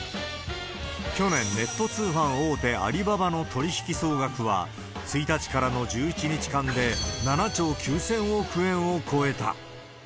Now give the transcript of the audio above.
去年、ネット通販大手、アリババの取り引き総額は、１日からの１１日間で７兆９０００億円を超えた。